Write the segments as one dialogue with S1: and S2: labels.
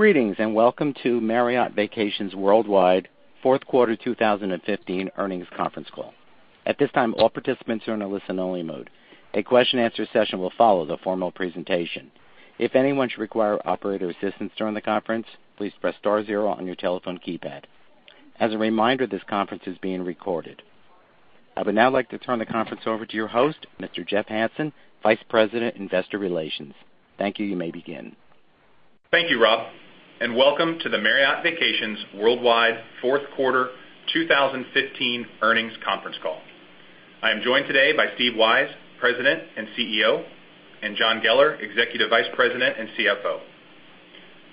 S1: Greetings, welcome to Marriott Vacations Worldwide fourth quarter 2015 earnings conference call. At this time, all participants are in a listen-only mode. A question-answer session will follow the formal presentation. If anyone should require operator assistance during the conference, please press star zero on your telephone keypad. As a reminder, this conference is being recorded. I would now like to turn the conference over to your host, Mr. Jeff Hansen, Vice President, Investor Relations. Thank you. You may begin.
S2: Thank you, Rob, welcome to the Marriott Vacations Worldwide fourth quarter 2015 earnings conference call. I am joined today by Steve Weisz, President and CEO, and John Geller, Executive Vice President and CFO.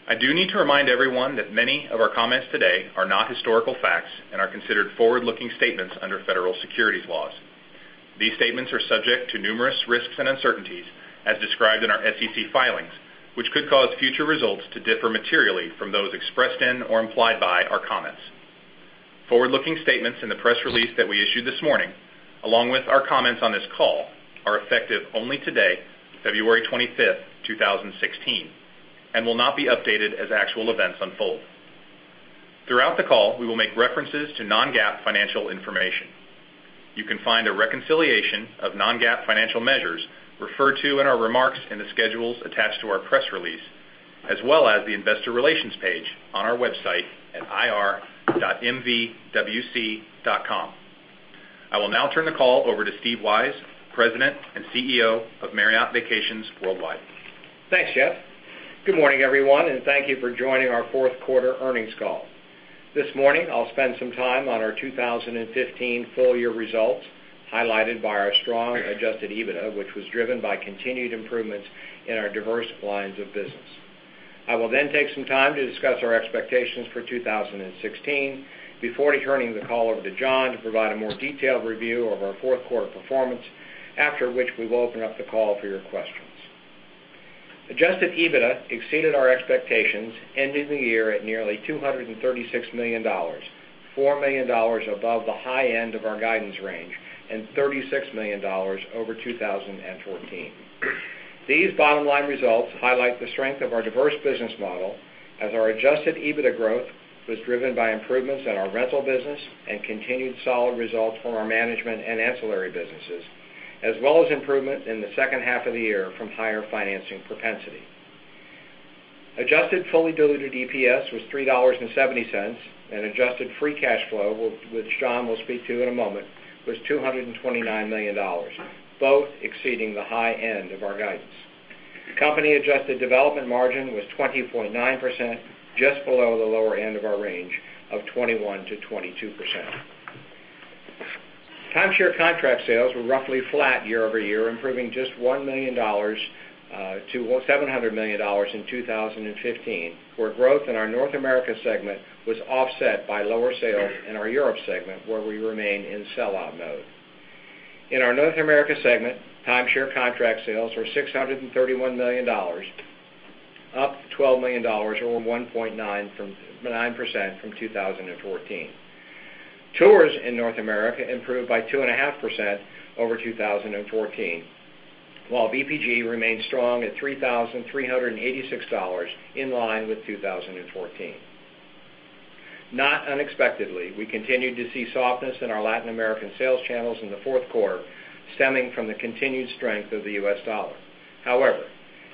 S2: I do need to remind everyone that many of our comments today are not historical facts and are considered forward-looking statements under federal securities laws. These statements are subject to numerous risks and uncertainties as described in our SEC filings, which could cause future results to differ materially from those expressed in or implied by our comments. Forward-looking statements in the press release that we issued this morning, along with our comments on this call, are effective only today, February 25th, 2016, and will not be updated as actual events unfold. Throughout the call, we will make references to non-GAAP financial information. You can find a reconciliation of non-GAAP financial measures referred to in our remarks in the schedules attached to our press release, as well as the investor relations page on our website at ir.mvwc.com. I will now turn the call over to Steve Weisz, President and CEO of Marriott Vacations Worldwide.
S3: Thanks, Jeff. Good morning, everyone, thank you for joining our fourth quarter earnings call. This morning, I'll spend some time on our 2015 full-year results, highlighted by our strong adjusted EBITDA, which was driven by continued improvements in our diverse lines of business. I will then take some time to discuss our expectations for 2016 before turning the call over to John to provide a more detailed review of our fourth quarter performance, after which we will open up the call for your questions. Adjusted EBITDA exceeded our expectations, ending the year at nearly $236 million, $4 million above the high end of our guidance range and $36 million over 2014. These bottom-line results highlight the strength of our diverse business model as our adjusted EBITDA growth was driven by improvements in our rental business and continued solid results from our management and ancillary businesses, as well as improvement in the second half of the year from higher financing propensity. Adjusted fully diluted EPS was $3.70 and adjusted free cash flow, which John will speak to in a moment, was $229 million, both exceeding the high end of our guidance. Company-adjusted development margin was 20.9%, just below the lower end of our range of 21%-22%. Timeshare contract sales were roughly flat year-over-year, improving just $1 million to $700 million in 2015, where growth in our North America segment was offset by lower sales in our Europe segment, where we remain in sell-out mode. In our North America segment, timeshare contract sales were $631 million, up $12 million or 1.9% from 2014. Tours in North America improved by 2.5% over 2014, while VPG remained strong at $3,386, in line with 2014. Not unexpectedly, we continued to see softness in our Latin American sales channels in the fourth quarter, stemming from the continued strength of the U.S. dollar. However,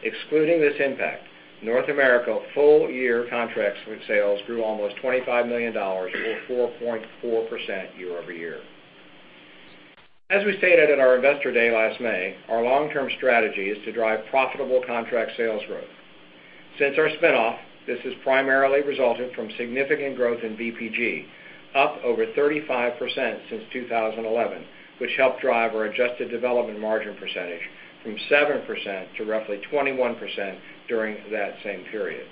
S3: excluding this impact, North America full-year contract sales grew almost $25 million or 4.4% year-over-year. As we stated at our investor day last May, our long-term strategy is to drive profitable contract sales growth. Since our spin-off, this has primarily resulted from significant growth in VPG, up over 35% since 2011, which helped drive our adjusted development margin percentage from 7% to roughly 21% during that same period.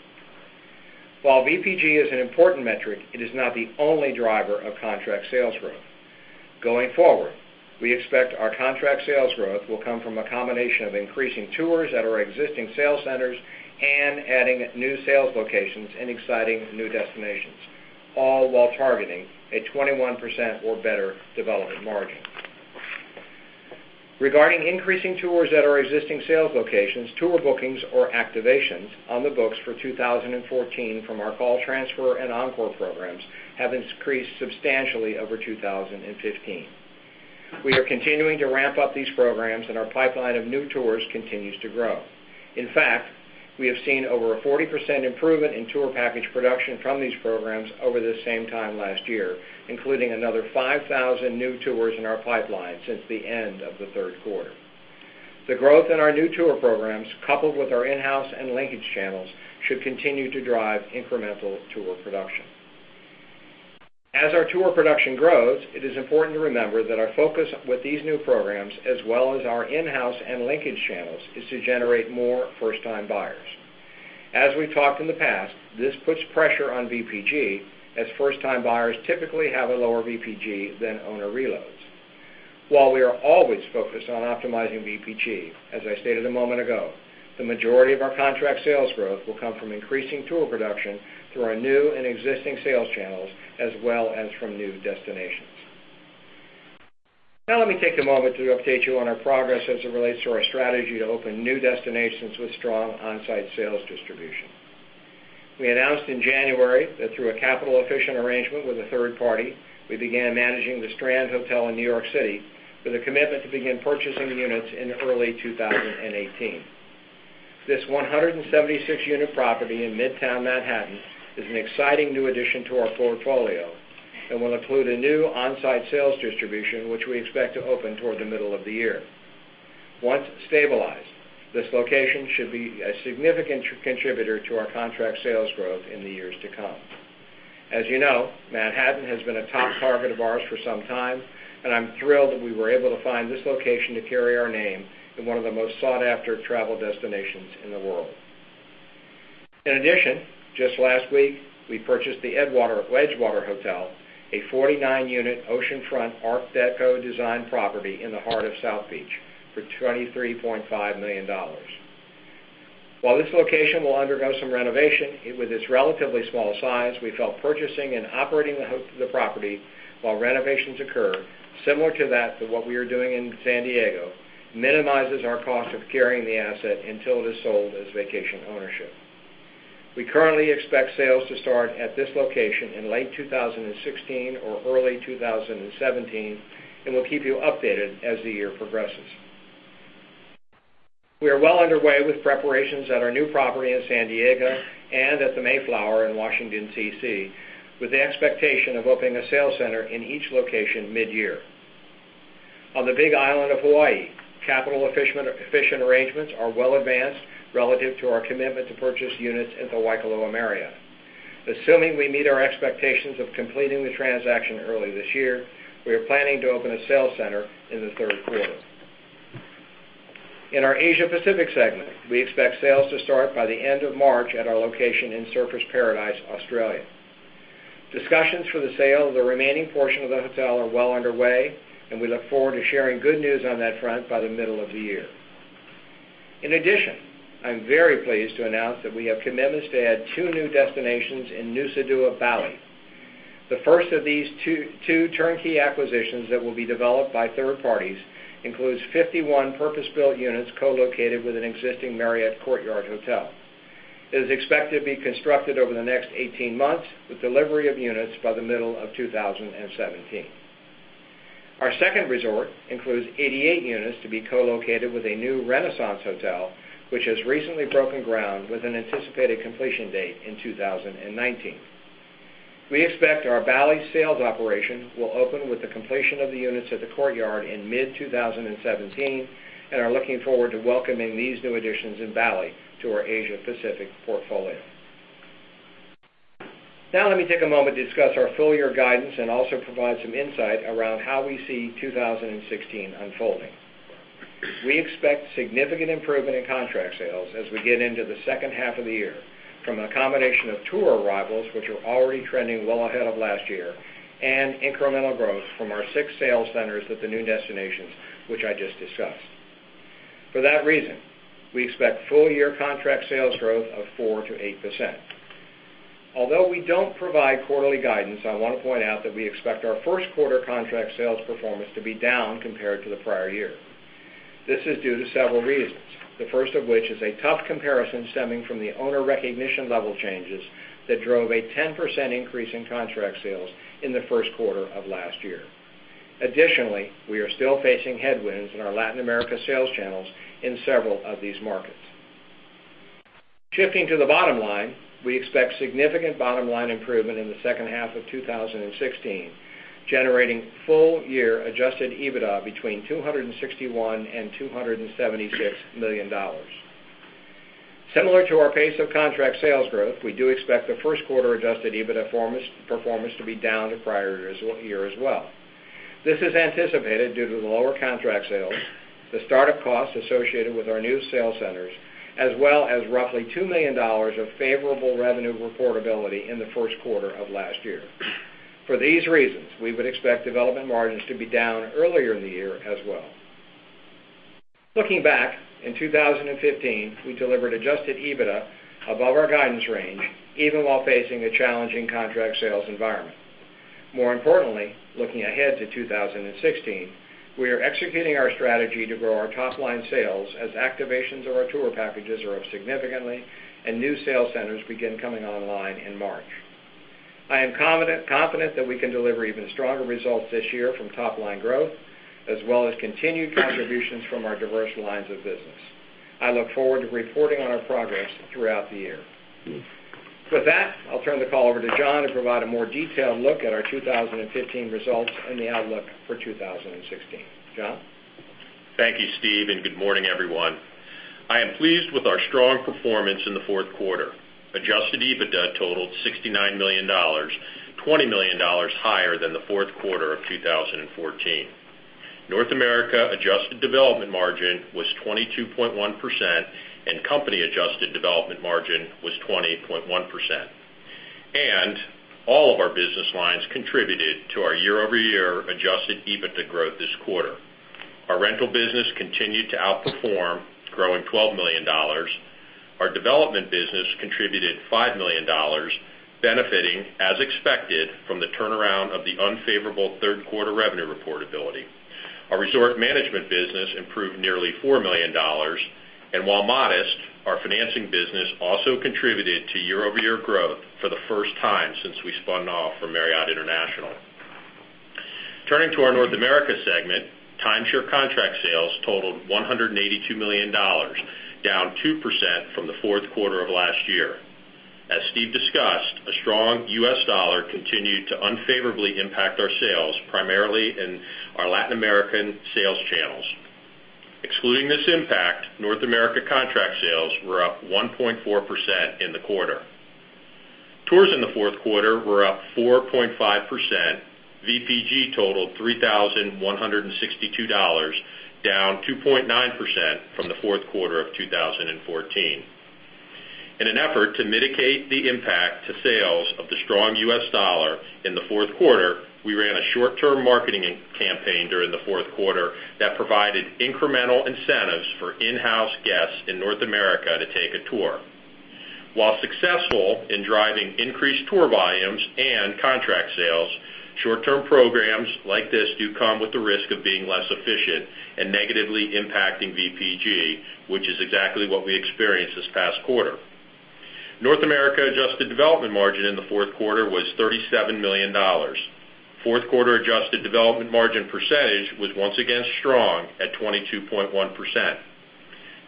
S3: While VPG is an important metric, it is not the only driver of contract sales growth. Going forward, we expect our contract sales growth will come from a combination of increasing tours at our existing sales centers and adding new sales locations in exciting new destinations, all while targeting a 21% or better development margin. Regarding increasing tours at our existing sales locations, tour bookings or activations on the books for 2014 from our call transfer and Encore programs have increased substantially over 2015. We are continuing to ramp up these programs, and our pipeline of new tours continues to grow. In fact, we have seen over a 40% improvement in tour package production from these programs over this same time last year, including another 5,000 new tours in our pipeline since the end of the third quarter. The growth in our new tour programs, coupled with our in-house and linkage channels, should continue to drive incremental tour production. As our tour production grows, it is important to remember that our focus with these new programs, as well as our in-house and linkage channels, is to generate more first-time buyers. As we've talked in the past, this puts pressure on VPG, as first-time buyers typically have a lower VPG than owner reloads. While we are always focused on optimizing VPG, as I stated a moment ago, the majority of our contract sales growth will come from increasing tour production through our new and existing sales channels, as well as from new destinations. Now let me take a moment to update you on our progress as it relates to our strategy to open new destinations with strong on-site sales distribution. We announced in January that through a capital-efficient arrangement with a third party, we began managing The Strand Hotel in New York City with a commitment to begin purchasing units in early 2018. This 176-unit property in Midtown Manhattan is an exciting new addition to our portfolio and will include a new on-site sales distribution, which we expect to open toward the middle of the year. Once stabilized, this location should be a significant contributor to our contract sales growth in the years to come. As you know, Manhattan has been a top target of ours for some time, and I'm thrilled that we were able to find this location to carry our name in one of the most sought-after travel destinations in the world. Just last week, we purchased The Edgewater Hotel, a 49-unit oceanfront Art Deco-designed property in the heart of South Beach, for $23.5 million. While this location will undergo some renovation, with its relatively small size, we felt purchasing and operating the property while renovations occur, similar to that of what we are doing in San Diego, minimizes our cost of carrying the asset until it is sold as vacation ownership. We currently expect sales to start at this location in late 2016 or early 2017, and we'll keep you updated as the year progresses. We are well underway with preparations at our new property in San Diego and at The Mayflower in Washington, D.C., with the expectation of opening a sales center in each location mid-year. On the Big Island of Hawaii, capital efficient arrangements are well advanced relative to our commitment to purchase units in the Waikoloa area. Assuming we meet our expectations of completing the transaction early this year, we are planning to open a sales center in the third quarter. In our Asia Pacific segment, we expect sales to start by the end of March at our location in Surfers Paradise, Australia. Discussions for the sale of the remaining portion of the hotel are well underway, and we look forward to sharing good news on that front by the middle of the year. I'm very pleased to announce that we have commitments to add two new destinations in Nusa Dua, Bali. The first of these two turnkey acquisitions that will be developed by third parties includes 51 purpose-built units co-located with an existing Courtyard by Marriott Hotel. It is expected to be constructed over the next 18 months, with delivery of units by the middle of 2017. Our second resort includes 88 units to be co-located with a new Renaissance Hotel, which has recently broken ground, with an anticipated completion date in 2019. We expect our Bali sales operation will open with the completion of the units at the Courtyard in mid-2017 and are looking forward to welcoming these new additions in Bali to our Asia Pacific portfolio. Let me take a moment to discuss our full-year guidance and also provide some insight around how we see 2016 unfolding. We expect significant improvement in contract sales as we get into the second half of the year from a combination of tour arrivals, which are already trending well ahead of last year, and incremental growth from our six sales centers at the new destinations, which I just discussed. For that reason, we expect full-year contract sales growth of 4%-8%. Although we don't provide quarterly guidance, I want to point out that we expect our first quarter contract sales performance to be down compared to the prior year. This is due to several reasons, the first of which is a tough comparison stemming from the owner recognition level changes that drove a 10% increase in contract sales in the first quarter of last year. Additionally, we are still facing headwinds in our Latin America sales channels in several of these markets. Shifting to the bottom line, we expect significant bottom-line improvement in the second half of 2016, generating full-year adjusted EBITDA between $261 million and $276 million. Similar to our pace of contract sales growth, we do expect the first quarter adjusted EBITDA performance to be down to prior year as well. This is anticipated due to the lower contract sales, the start-up costs associated with our new sales centers, as well as roughly $2 million of favorable revenue reportability in the first quarter of last year. For these reasons, we would expect development margins to be down earlier in the year as well. Looking back, in 2015, we delivered adjusted EBITDA above our guidance range, even while facing a challenging contract sales environment. More importantly, looking ahead to 2016, we are executing our strategy to grow our top-line sales as activations of our tour packages are up significantly and new sales centers begin coming online in March. I am confident that we can deliver even stronger results this year from top-line growth as well as continued contributions from our diverse lines of business. I look forward to reporting on our progress throughout the year. With that, I'll turn the call over to John to provide a more detailed look at our 2015 results and the outlook for 2016. John?
S4: Thank you, Steve, and good morning, everyone. I am pleased with our strong performance in the fourth quarter. Adjusted EBITDA totaled $69 million, $20 million higher than the fourth quarter of 2014. North America adjusted development margin was 22.1% and company-adjusted development margin was 20.1%. All of our business lines contributed to our year-over-year adjusted EBITDA growth this quarter. Our rental business continued to outperform, growing $12 million. Our development business contributed $5 million, benefiting as expected from the turnaround of the unfavorable third quarter revenue reportability. Our resort management business improved nearly $4 million. While modest, our financing business also contributed to year-over-year growth for the first time since we spun off from Marriott International. Turning to our North America segment, timeshare contract sales totaled $182 million, down 2% from the fourth quarter of last year. As Steve discussed, a strong U.S. U.S. dollar continued to unfavorably impact our sales, primarily in our Latin American sales channels. Excluding this impact, North America contract sales were up 1.4% in the quarter. Tours in the fourth quarter were up 4.5%. VPG totaled $3,162, down 2.9% from the fourth quarter of 2014. In an effort to mitigate the impact to sales of the strong U.S. dollar in the fourth quarter, we ran a short-term marketing campaign during the fourth quarter that provided incremental incentives for in-house guests in North America to take a tour. While successful in driving increased tour volumes and contract sales, short-term programs like this do come with the risk of being less efficient and negatively impacting VPG, which is exactly what we experienced this past quarter. North America adjusted development margin in the fourth quarter was $37 million. Fourth quarter adjusted development margin percentage was once again strong at 22.1%.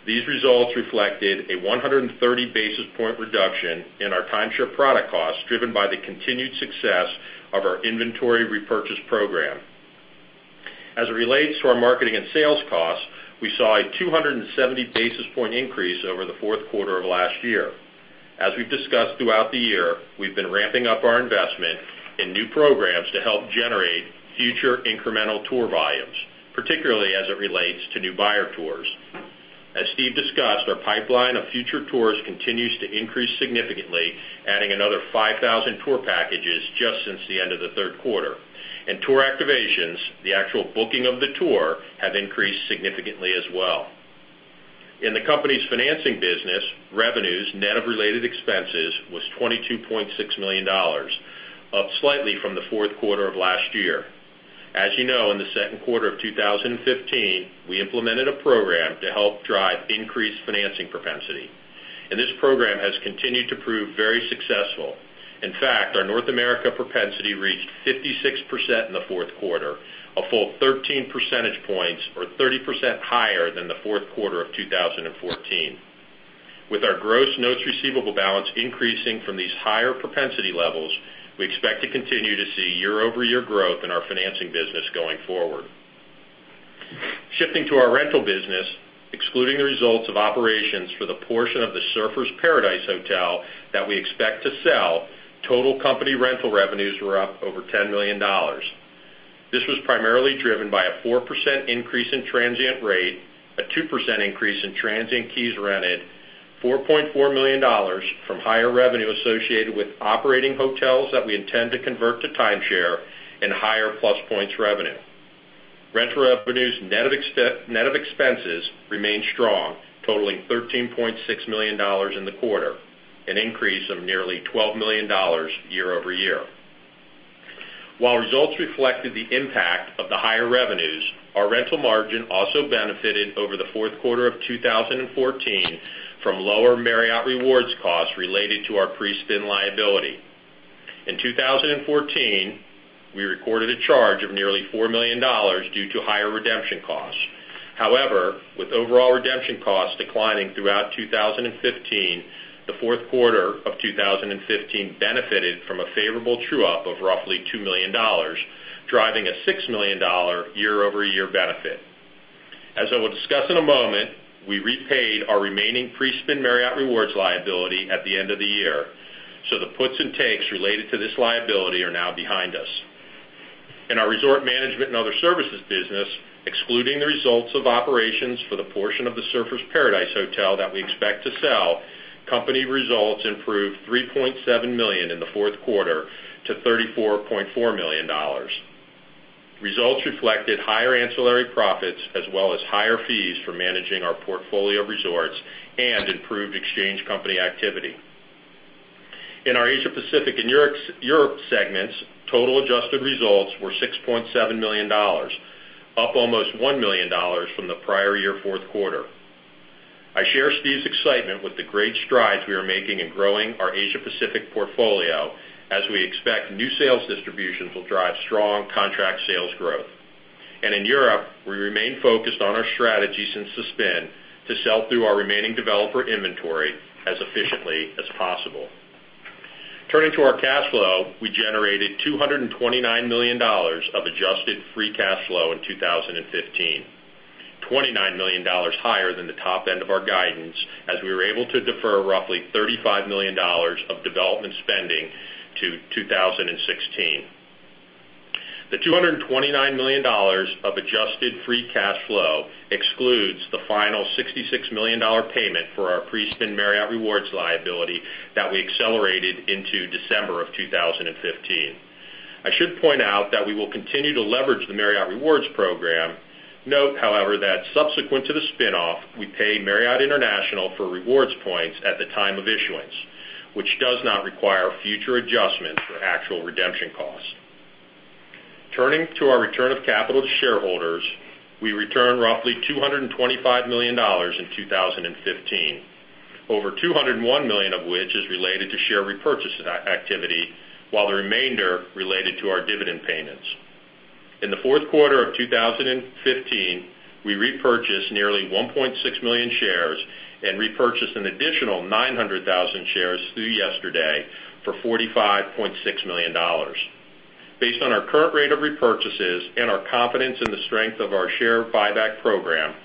S4: These results reflected a 130-basis point reduction in our timeshare product costs, driven by the continued success of our inventory repurchase program. As it relates to our marketing and sales costs, we saw a 270-basis point increase over the fourth quarter of last year. As we've discussed throughout the year, we've been ramping up our investment in new programs to help generate future incremental tour volumes, particularly as it relates to new buyer tours. As Steve discussed, our pipeline of future tours continues to increase significantly, adding another 5,000 tour packages just since the end of the third quarter. Tour activations, the actual booking of the tour, have increased significantly as well. In the company's financing business, revenues net of related expenses was $22.6 million, up slightly from the fourth quarter of last year. As you know, in the second quarter of 2015, we implemented a program to help drive increased financing propensity, this program has continued to prove very successful. In fact, our North America propensity reached 56% in the fourth quarter, a full 13 percentage points or 30% higher than the fourth quarter of 2014. With our gross notes receivable balance increasing from these higher propensity levels, we expect to continue to see year-over-year growth in our financing business going forward. Shifting to our rental business, excluding the results of operations for the portion of the Surfers Paradise Hotel that we expect to sell, total company rental revenues were up over $10 million. This was primarily driven by a 4% increase in transient rate, a 2% increase in transient keys rented, $4.4 million from higher revenue associated with operating hotels that we intend to convert to timeshare, and higher PlusPoints revenue. Rental revenues net of expenses remained strong, totaling $13.6 million in the quarter, an increase of nearly $12 million year-over-year. While results reflected the impact of the higher revenues, our rental margin also benefited over the fourth quarter of 2014 from lower Marriott Rewards costs related to our pre-spin liability. In 2014, we recorded a charge of nearly $4 million due to higher redemption costs. With overall redemption costs declining throughout 2015, the fourth quarter of 2015 benefited from a favorable true-up of roughly $2 million, driving a $6 million year-over-year benefit. As I will discuss in a moment, we repaid our remaining pre-spin Marriott Rewards liability at the end of the year, the puts and takes related to this liability are now behind us. In our resort management and other services business, excluding the results of operations for the portion of the Surfers Paradise Hotel that we expect to sell, company results improved $3.7 million in the fourth quarter to $34.4 million. Results reflected higher ancillary profits as well as higher fees for managing our portfolio of resorts and improved exchange company activity. In our Asia Pacific and Europe segments, total adjusted results were $6.7 million, up almost $1 million from the prior year fourth quarter. I share Steve's excitement with the great strides we are making in growing our Asia Pacific portfolio, as we expect new sales distributions will drive strong contract sales growth. In Europe, we remain focused on our strategy since the spin to sell through our remaining developer inventory as efficiently as possible. Turning to our cash flow, we generated $229 million of adjusted free cash flow in 2015, $29 million higher than the top end of our guidance, as we were able to defer roughly $35 million of development spending to 2016. The $229 million of adjusted free cash flow excludes the final $66 million payment for our pre-spin Marriott Rewards liability that we accelerated into December of 2015. I should point out that we will continue to leverage the Marriott Rewards program. Note, however, that subsequent to the spin-off, we pay Marriott International for rewards points at the time of issuance, which does not require future adjustments for actual redemption costs. Turning to our return of capital to shareholders, we returned roughly $225 million in 2015, over $201 million of which is related to share repurchase activity, while the remainder related to our dividend payments. In the fourth quarter of 2015, we repurchased nearly 1.6 million shares and repurchased an additional 900,000 shares through yesterday for $45.6 million. Based on our current rate of repurchases and our confidence in the strength of our share buyback program,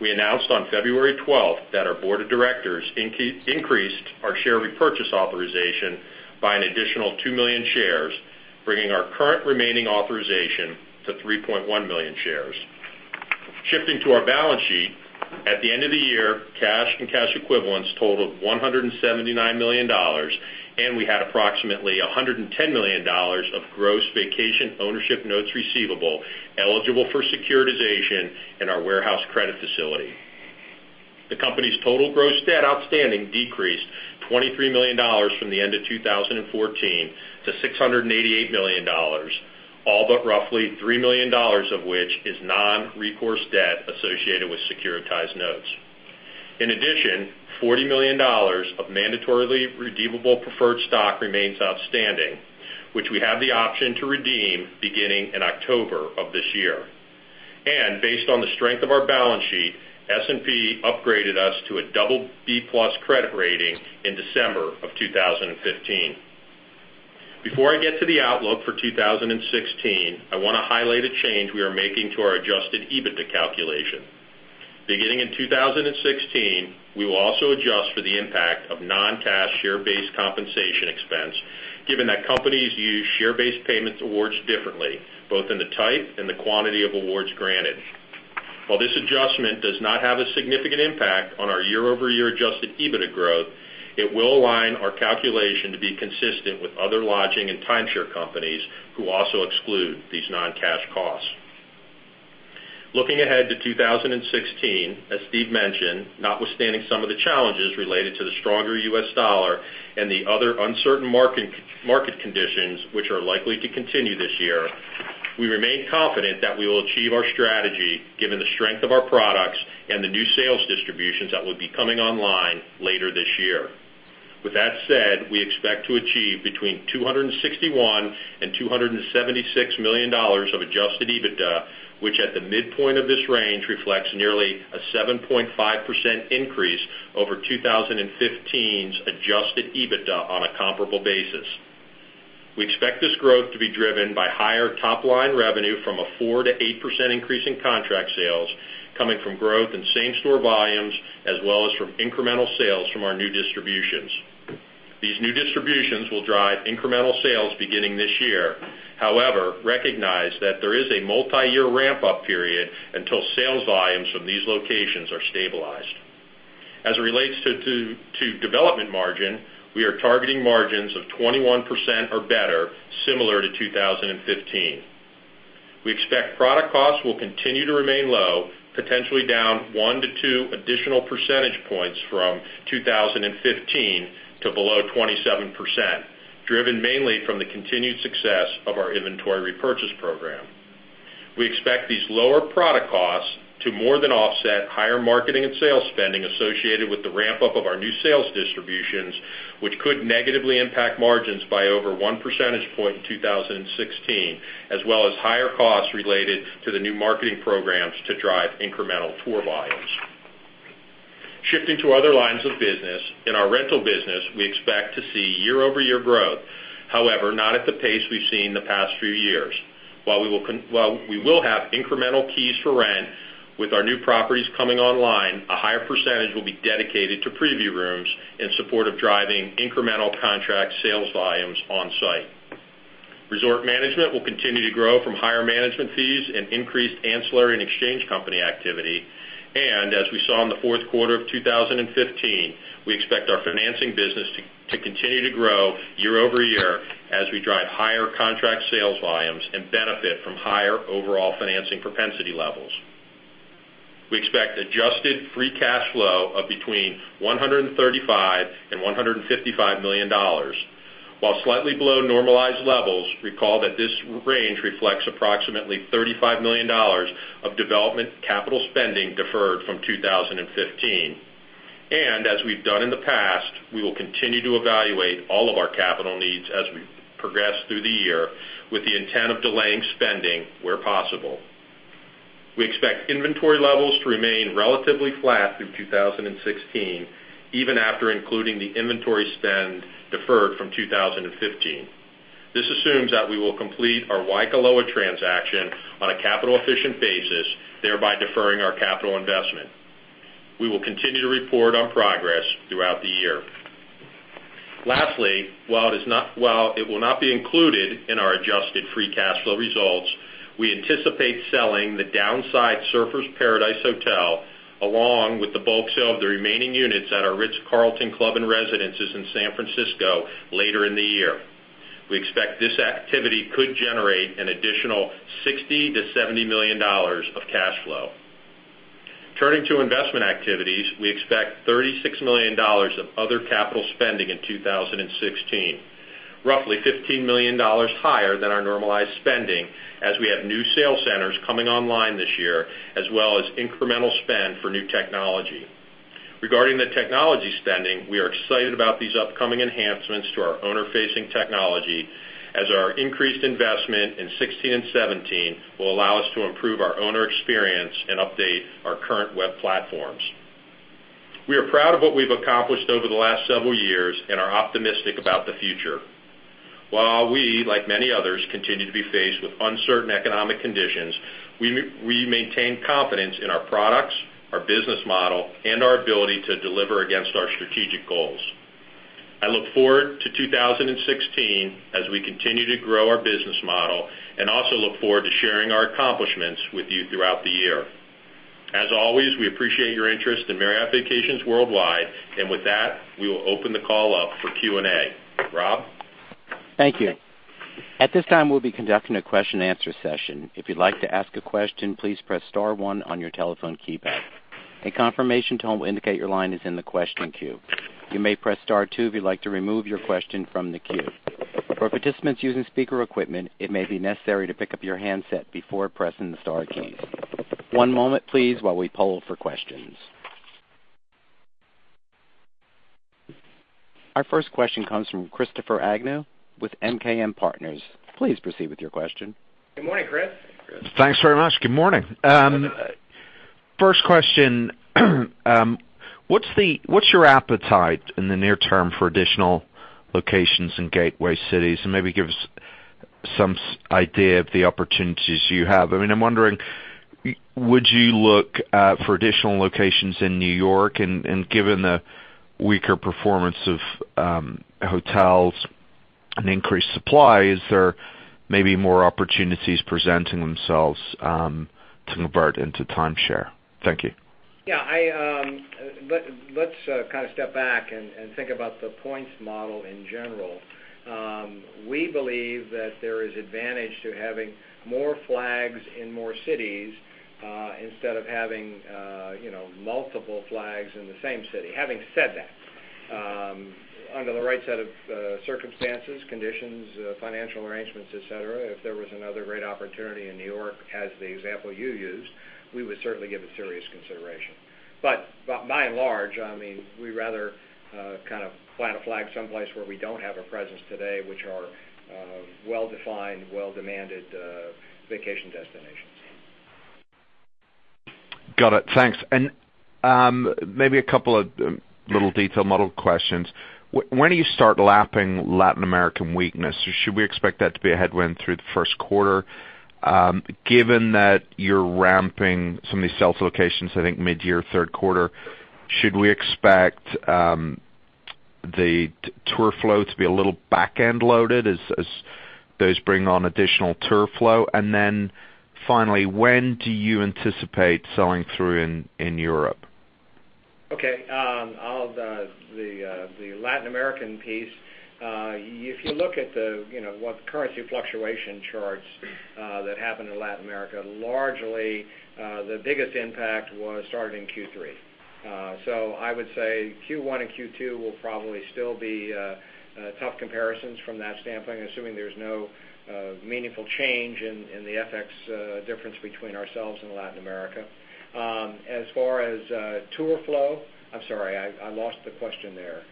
S4: we announced on February 12th that our board of directors increased our share repurchase authorization by an additional 2 million shares, bringing our current remaining authorization to 3.1 million shares. Shifting to our balance sheet, at the end of the year, cash and cash equivalents totaled $179 million, and we had approximately $110 million of gross vacation ownership notes receivable eligible for securitization in our warehouse credit facility. The company's total gross debt outstanding decreased $23 million from the end of 2014 to $688 million, all but roughly $3 million of which is non-recourse debt associated with securitized notes. In addition, $40 million of mandatorily redeemable preferred stock remains outstanding, which we have the option to redeem beginning in October of this year. Based on the strength of our balance sheet, S&P upgraded us to a BB+ credit rating in December of 2015. Before I get to the outlook for 2016, I want to highlight a change we are making to our adjusted EBITDA calculation. Beginning in 2016, we will also adjust for the impact of non-cash share-based compensation expense, given that companies use share-based payments awards differently, both in the type and the quantity of awards granted. While this adjustment does not have a significant impact on our year-over-year adjusted EBITDA growth, it will align our calculation to be consistent with other lodging and timeshare companies who also exclude these non-cash costs. Looking ahead to 2016, as Steve mentioned, notwithstanding some of the challenges related to the stronger U.S. dollar and the other uncertain market conditions, which are likely to continue this year, we remain confident that we will achieve our strategy given the strength of our products and the new sales distributions that will be coming online later this year. With that said, we expect to achieve between $261 million and $276 million of adjusted EBITDA, which at the midpoint of this range reflects nearly a 7.5% increase over 2015's adjusted EBITDA on a comparable basis. We expect this growth to be driven by higher top-line revenue from a 4% to 8% increase in contract sales coming from growth in same-store volumes, as well as from incremental sales from our new distributions. These new distributions will drive incremental sales beginning this year. However, recognize that there is a multi-year ramp-up period until sales volumes from these locations are stabilized. As it relates to development margin, we are targeting margins of 21% or better, similar to 2015. We expect product costs will continue to remain low, potentially down one to two additional percentage points from 2015 to below 27%, driven mainly from the continued success of our inventory repurchase program. We expect these lower product costs to more than offset higher marketing and sales spending associated with the ramp-up of our new sales distributions, which could negatively impact margins by over one percentage point in 2016, as well as higher costs related to the new marketing programs to drive incremental tour volumes. Shifting to other lines of business, in our rental business, we expect to see year-over-year growth, however, not at the pace we've seen the past few years. While we will have incremental keys for rent with our new properties coming online, a higher percentage will be dedicated to preview rooms in support of driving incremental contract sales volumes on-site. Resort management will continue to grow from higher management fees and increased ancillary and exchange company activity. As we saw in the fourth quarter of 2015, we expect our financing business to continue to grow year-over-year as we drive higher contract sales volumes and benefit from higher overall financing propensity levels. We expect adjusted free cash flow of between $135 million and $155 million. While slightly below normalized levels, recall that this range reflects approximately $35 million of development capital spending deferred from 2015. As we've done in the past, we will continue to evaluate all of our capital needs as we progress through the year with the intent of delaying spending where possible. We expect inventory levels to remain relatively flat through 2016, even after including the inventory spend deferred from 2015. This assumes that we will complete our Waikoloa transaction on a capital-efficient basis, thereby deferring our capital investment. We will continue to report on progress throughout the year. While it will not be included in our adjusted free cash flow results, we anticipate selling the downside Surfers Paradise Hotel, along with the bulk sale of the remaining units at our Ritz-Carlton Club and Residences in San Francisco later in the year. We expect this activity could generate an additional $60 million to $70 million of cash flow. Turning to investment activities, we expect $36 million of other capital spending in 2016, roughly $15 million higher than our normalized spending, as we have new sales centers coming online this year, as well as incremental spend for new technology. Regarding the technology spending, we are excited about these upcoming enhancements to our owner-facing technology as our increased investment in 2016 and 2017 will allow us to improve our owner experience and update our current web platforms. We are proud of what we've accomplished over the last several years and are optimistic about the future. While we, like many others, continue to be faced with uncertain economic conditions, we maintain confidence in our products, our business model, and our ability to deliver against our strategic goals. I look forward to 2016 as we continue to grow our business model and also look forward to sharing our accomplishments with you throughout the year. As always, we appreciate your interest in Marriott Vacations Worldwide, and with that, we will open the call up for Q&A. Rob?
S1: Thank you. At this time, we'll be conducting a question and answer session. If you'd like to ask a question, please press star one on your telephone keypad. A confirmation tone will indicate your line is in the question queue. You may press star two if you'd like to remove your question from the queue. For participants using speaker equipment, it may be necessary to pick up your handset before pressing the star keys. One moment, please, while we poll for questions. Our first question comes from Christopher Agnew with MKM Partners. Please proceed with your question.
S4: Good morning, Chris.
S5: Thanks very much. Good morning. First question. What's your appetite in the near term for additional locations in gateway cities? Maybe give us some idea of the opportunities you have. I'm wondering, would you look for additional locations in N.Y. and given the weaker performance of hotels and increased supply, is there maybe more opportunities presenting themselves to convert into timeshare? Thank you.
S3: Yeah. Let's step back and think about the points model in general. We believe that there is advantage to having more flags in more cities, instead of having multiple flags in the same city. Having said that, under the right set of circumstances, conditions, financial arrangements, et cetera, if there was another great opportunity in N.Y. as the example you used, we would certainly give it serious consideration. By and large, we'd rather plant a flag someplace where we don't have a presence today, which are well-defined, well-demanded vacation destinations.
S5: Got it. Thanks. Maybe a couple of little detail model questions. When do you start lapping Latin American weakness? Should we expect that to be a headwind through the first quarter? Given that you're ramping some of these sales locations, I think mid-year, third quarter, should we expect the tour flow to be a little back-end loaded as those bring on additional tour flow? Finally, when do you anticipate selling through in Europe?
S4: Okay. The Latin American piece, if you look at the currency fluctuation charts that happened in Latin America, largely the biggest impact was starting in Q3. I would say Q1 and Q2 will probably still be tough comparisons from that standpoint, assuming there's no meaningful change in the FX difference between ourselves and Latin America. As far as tour flow. I'm sorry, I lost the question there.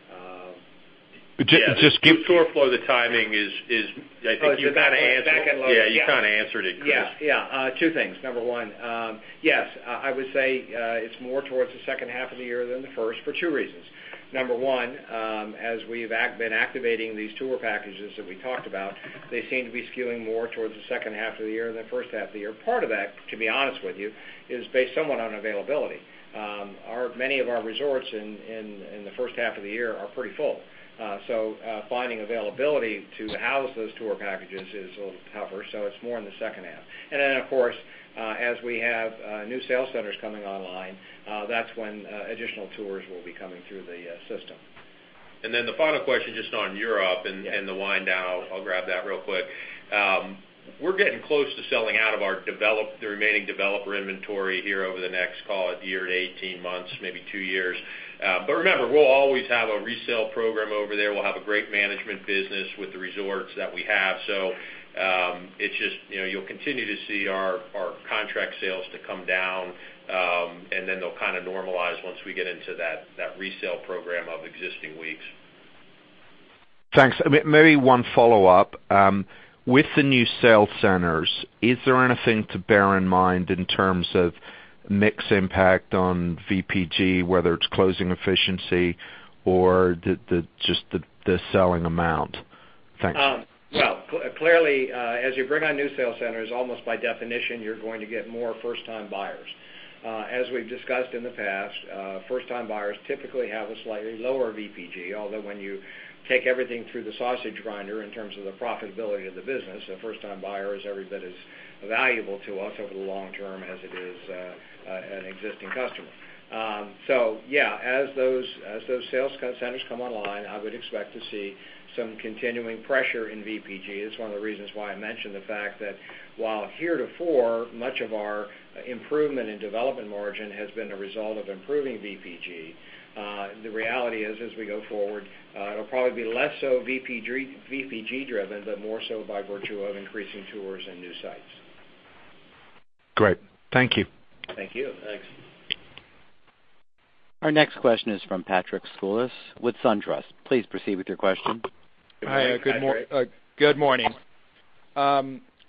S5: Just give-
S3: Tour flow, the timing is, I think you kind of answered.
S5: Back end loaded. Yeah.
S3: You kind of answered it, Chris. Yeah. Two things. Number one, yes, I would say it's more towards the second half of the year than the first for two reasons. Number one, as we've been activating these tour packages that we talked about, they seem to be skewing more towards the second half of the year than the first half of the year. Part of that, to be honest with you, is based somewhat on availability. Many of our resorts in the first half of the year are pretty full. Finding availability to house those tour packages is a little tougher, so it's more in the second half. Of course, as we have new sales centers coming online, that's when additional tours will be coming through the system. The final question, just on Europe and the wind down, I'll grab that real quick. We're getting close to selling out of our remaining developer inventory here over the next, call it one year to 18 months, maybe two years. Remember, we'll always have a resale program over there. We'll have a great management business with the resorts that we have. You'll continue to see our contract sales to come down, and then they'll normalize once we get into that resale program of existing weeks.
S5: Thanks. Maybe one follow-up. With the new sales centers, is there anything to bear in mind in terms of mix impact on VPG, whether it's closing efficiency or just the selling amount?
S4: Thanks.
S3: Clearly, as you bring on new sales centers, almost by definition, you're going to get more first-time buyers. As we've discussed in the past, first-time buyers typically have a slightly lower VPG, although when you take everything through the sausage grinder in terms of the profitability of the business, a first-time buyer is every bit as valuable to us over the long term as it is an existing customer. Yeah, as those sales centers come online, I would expect to see some continuing pressure in VPG. It's one of the reasons why I mentioned the fact that while heretofore, much of our improvement in development margin has been a result of improving VPG, the reality is, as we go forward, it'll probably be less so VPG driven, but more so by virtue of increasing tours and new sites.
S5: Great. Thank you.
S3: Thank you.
S4: Thanks.
S1: Our next question is from Patrick Scholes with SunTrust. Please proceed with your question.
S3: Hi, Patrick.
S6: Good morning.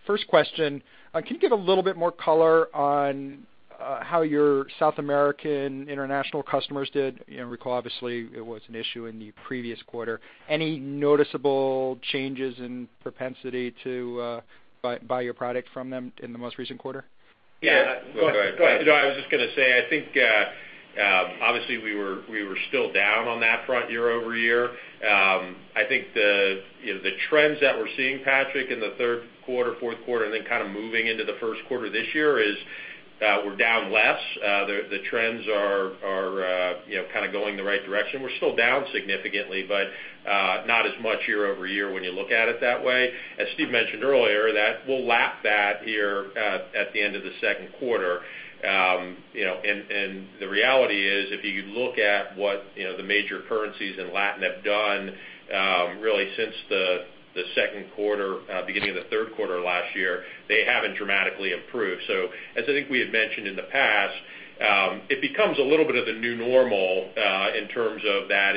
S6: First question, can you give a little bit more color on how your South American international customers did? You recall, obviously, it was an issue in the previous quarter. Any noticeable changes in propensity to buy your product from them in the most recent quarter?
S4: I was just going to say, I think, obviously, we were still down on that front year-over-year. I think the trends that we're seeing, Patrick, in the third quarter, fourth quarter, and then kind of moving into the first quarter this year is, we're down less. The trends are kind of going in the right direction. We're still down significantly, but not as much year-over-year when you look at it that way. As Steve mentioned earlier, we'll lap that here at the end of the second quarter. The reality is, if you look at what the major currencies in Latin have done really since the second quarter, beginning of the third quarter last year, they haven't dramatically improved. As I think we had mentioned in the past, it becomes a little bit of the new normal in terms of that.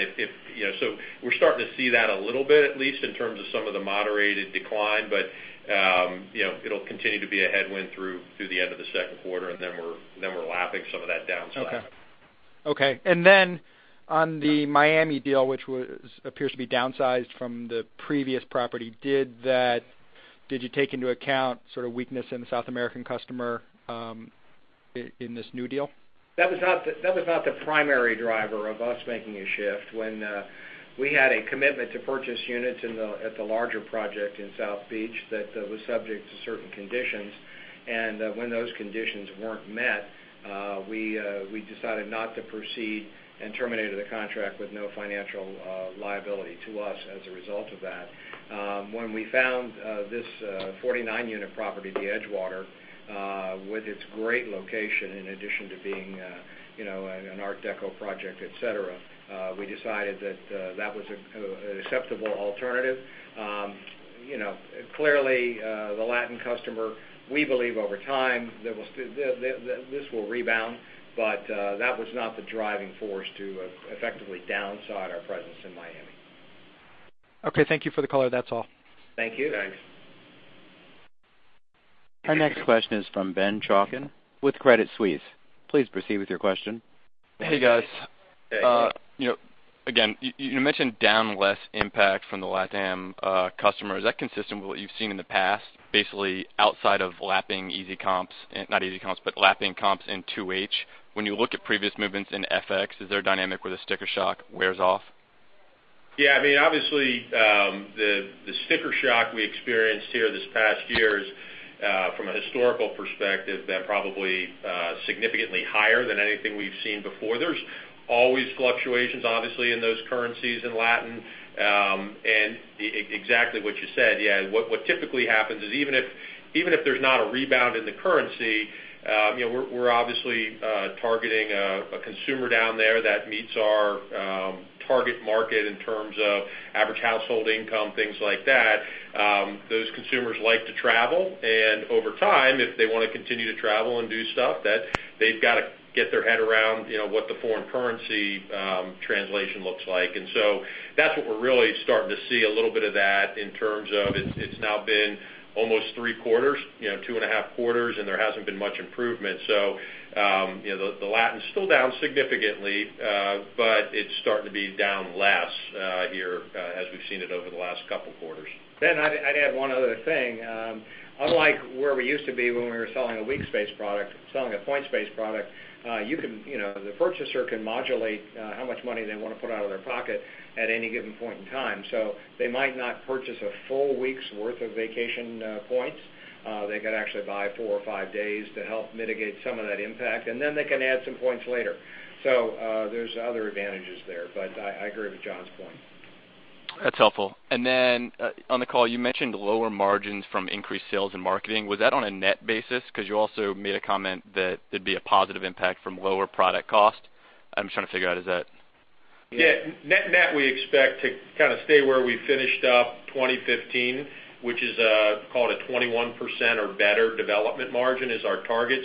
S4: We're starting to see that a little bit, at least in terms of some of the moderated decline, but it'll continue to be a headwind through the end of the second quarter, and then we're lapping some of that down slope.
S6: Then on the Miami deal, which appears to be downsized from the previous property, did you take into account sort of weakness in the South American customer in this new deal?
S3: That was not the primary driver of us making a shift when we had a commitment to purchase units at the larger project in South Beach that was subject to certain conditions. When those conditions weren't met, we decided not to proceed and terminated the contract with no financial liability to us as a result of that. When we found this 49-unit property, The Edgewater, with its great location, in addition to being an art deco project, et cetera, we decided that that was an acceptable alternative. Clearly, the Latin customer, we believe over time, this will rebound, but that was not the driving force to effectively downsize our presence in Miami.
S6: Okay. Thank you for the color. That's all.
S3: Thank you.
S4: Thanks.
S1: Our next question is from Ben Chaiken with Credit Suisse. Please proceed with your question.
S7: Hey, guys. Again, you mentioned down less impact from the LATAM customers. Is that consistent with what you've seen in the past, basically outside of lapping easy comps, but lapping comps in 2H? When you look at previous movements in FX, is there a dynamic where the sticker shock wears off?
S4: Obviously, the sticker shock we experienced here this past year is, from a historical perspective, been probably significantly higher than anything we've seen before. There's always fluctuations, obviously, in those currencies in Latin, and exactly what you said. What typically happens is even if there's not a rebound in the currency, we're obviously targeting a consumer down there that meets our target market in terms of average household income, things like that. Those consumers like to travel. Over time, if they want to continue to travel and do stuff, they've got to get their head around what the foreign currency translation looks like. That's what we're really starting to see a little bit of that in terms of it's now been almost three quarters, two and a half quarters, and there hasn't been much improvement. The LATAM's still down significantly, but it's starting to be down less here as we've seen it over the last couple of quarters.
S3: Ben, I'd add one other thing. Unlike where we used to be when we were selling a week space product, selling a point space product, the purchaser can modulate how much money they want to put out of their pocket at any given point in time. They might not purchase a full week's worth of vacation points. They could actually buy four or five days to help mitigate some of that impact, and then they can add some points later. There's other advantages there, but I agree with John's point.
S7: That's helpful. Then on the call, you mentioned lower margins from increased sales and marketing. Was that on a net basis? Because you also made a comment that there'd be a positive impact from lower product cost. I'm just trying to figure out is that-
S4: Net, we expect to kind of stay where we finished up 2015, which is call it 21% or better development margin is our target.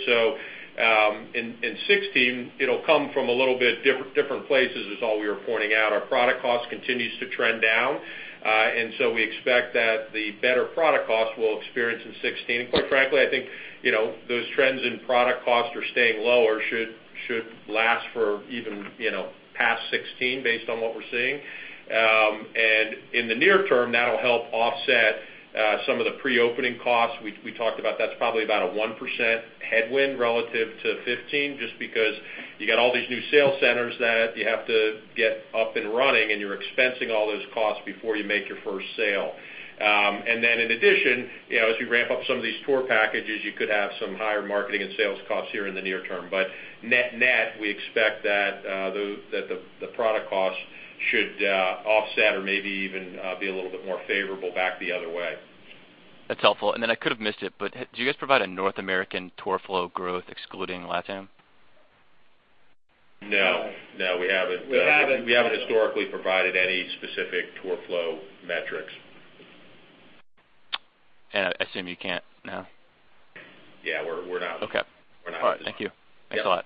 S4: In 2016, it'll come from a little bit different places is all we were pointing out. Our product cost continues to trend down. We expect that the better product cost we'll experience in 2016. Quite frankly, I think those trends in product cost are staying lower should last for even past 2016 based on what we're seeing. In the near term, that'll help offset some of the pre-opening costs we talked about. That's probably about a 1% headwind relative to 2015, just because you got all these new sales centers that you have to get up and running, and you're expensing all those costs before you make your first sale. Then in addition, as you ramp up some of these tour packages, you could have some higher marketing and sales costs here in the near term. Net, we expect that the product cost should offset or maybe even be a little bit more favorable back the other way.
S7: That's helpful. I could have missed it, but do you guys provide a North American tour flow growth excluding LATAM?
S4: No, we haven't. We haven't. We haven't historically provided any specific tour flow metrics.
S7: I assume you can't now.
S4: Yeah, we're not.
S7: Okay.
S4: We're not.
S7: All right. Thank you. Thanks a lot.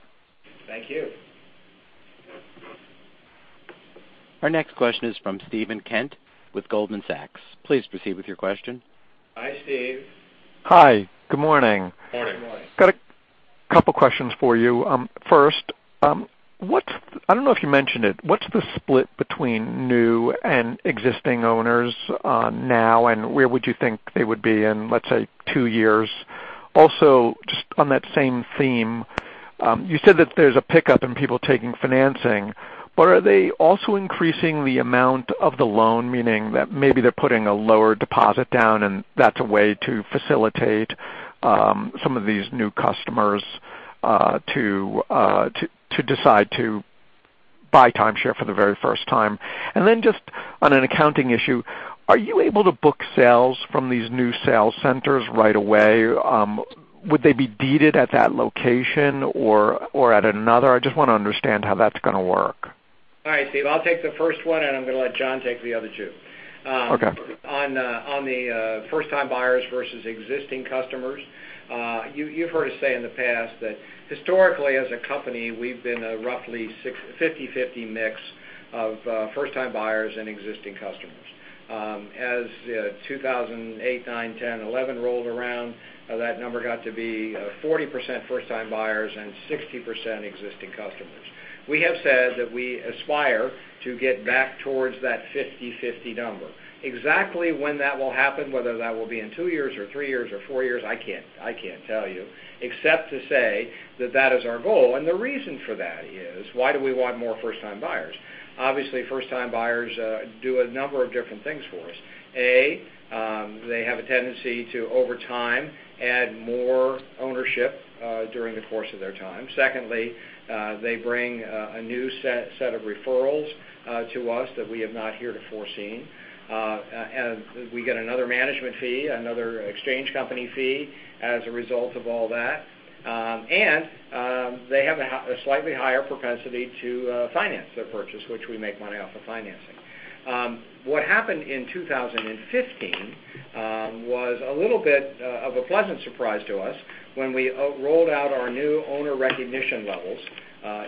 S3: Thank you.
S1: Our next question is from Steven Kent with Goldman Sachs. Please proceed with your question.
S3: Hi, Steve.
S8: Hi, good morning.
S4: Morning.
S3: Morning.
S4: Got a couple questions for you. First, I don't know if you mentioned it, what's the split between new and existing owners now, and where would you think they would be in, let's say, two years? Also, just on that same theme, you said that there's a pickup in people taking financing, but are they also increasing the amount of the loan, meaning that maybe they're putting a lower deposit down, and that's a way to facilitate some of these new customers to decide to buy timeshare for the very first time? Then just on an accounting issue, are you able to book sales from these new sales centers right away? Would they be deeded at that location or at another? I just want to understand how that's going to work.
S3: All right, Steve, I'll take the first one, and I'm going to let John take the other two.
S8: Okay.
S3: On the first time buyers versus existing customers, you've heard us say in the past that historically as a company, we've been a roughly 50/50 mix of first time buyers and existing customers. As 2008, 2009, 2010, 2011 rolled around, that number got to be 40% first time buyers and 60% existing customers. We have said that we aspire to get back towards that 50/50 number. Exactly when that will happen, whether that will be in two years or three years or four years, I can't tell you, except to say that that is our goal. The reason for that is, why do we want more first time buyers? Obviously, first time buyers do a number of different things for us. A, they have a tendency to, over time, add more ownership during the course of their time. Secondly, they bring a new set of referrals to us that we have not heretofore seen. We get another management fee, another exchange company fee as a result of all that. They have a slightly higher propensity to finance their purchase, which we make money off of financing. What happened in 2015 was a little bit of a pleasant surprise to us when we rolled out our new owner recognition levels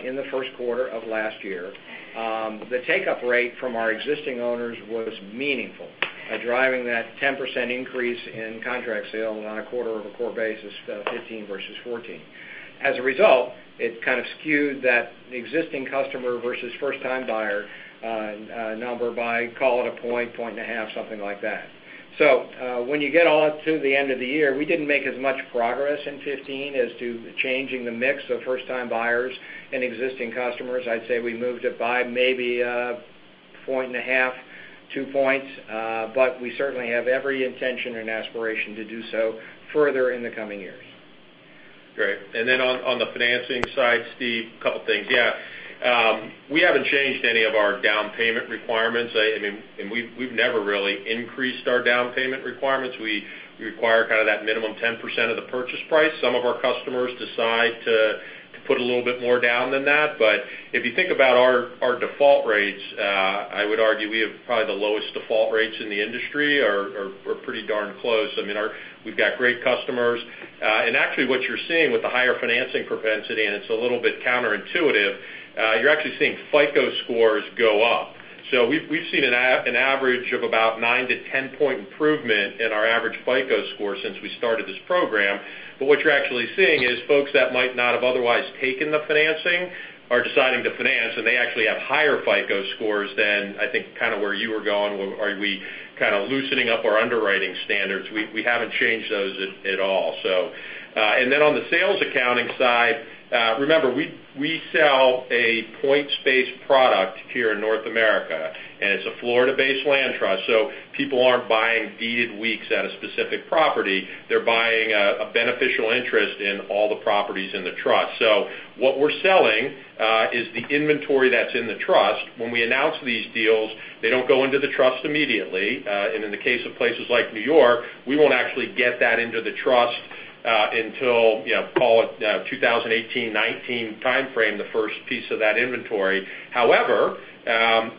S3: in the first quarter of last year. The take-up rate from our existing owners was meaningful at driving that 10% increase in contract sale on a quarter-over-quarter basis, 2015 versus 2014. As a result, it kind of skewed that existing customer versus first time buyer number by, call it a point and a half, something like that. When you get all up to the end of the year, we didn't make as much progress in 2015 as to changing the mix of first time buyers and existing customers. I'd say we moved it by maybe a point and a half, two points, but we certainly have every intention and aspiration to do so further in the coming years.
S4: Great. Then on the financing side, Steve, a couple things. Yeah. We haven't changed any of our down payment requirements. We've never really increased our down payment requirements. We require that minimum 10% of the purchase price. Some of our customers decide to put a little bit more down than that. If you think about our default rates, I would argue we have probably the lowest default rates in the industry, or pretty darn close. We've got great customers. Actually what you're seeing with the higher financing propensity, and it's a little bit counterintuitive, you're actually seeing FICO scores go up. We've seen an average of about 9 to 10-point improvement in our average FICO score since we started this program. What you're actually seeing is folks that might not have otherwise taken the financing are deciding to finance, and they actually have higher FICO scores than I think where you were going, are we kind of loosening up our underwriting standards? We haven't changed those at all. Then on the sales accounting side, remember, we sell a points-based product here in North America, and it's a Florida-based land trust, so people aren't buying deeded weeks at a specific property. They're buying a beneficial interest in all the properties in the trust. What we're selling is the inventory that's in the trust. When we announce these deals, they don't go into the trust immediately. In the case of places like New York, we won't actually get that into the trust until, call it 2018-2019 timeframe, the first piece of that inventory. However,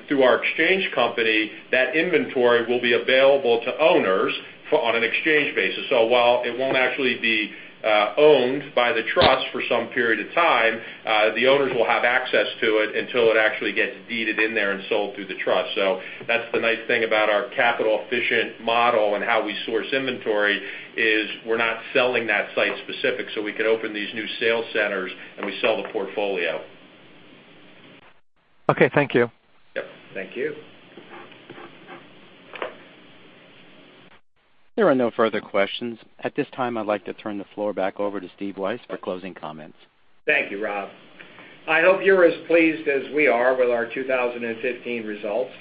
S4: through our exchange company, that inventory will be available to owners on an exchange basis. While it won't actually be owned by the trust for some period of time, the owners will have access to it until it actually gets deeded in there and sold through the trust. That's the nice thing about our capital-efficient model and how we source inventory is we're not selling that site specific, so we could open these new sales centers, and we sell the portfolio.
S8: Okay, thank you.
S4: Yep.
S3: Thank you.
S1: There are no further questions. At this time, I'd like to turn the floor back over to Steve Weisz for closing comments.
S3: Thank you, Rob. I hope you're as pleased as we are with our 2015 results,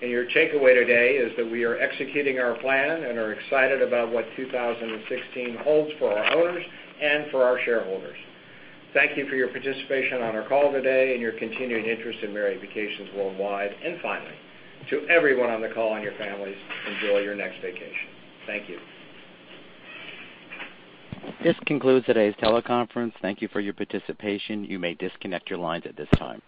S3: and your takeaway today is that we are executing our plan and are excited about what 2016 holds for our owners and for our shareholders. Thank you for your participation on our call today and your continuing interest in Marriott Vacations Worldwide. Finally, to everyone on the call and your families, enjoy your next vacation. Thank you.
S1: This concludes today's teleconference. Thank you for your participation. You may disconnect your lines at this time.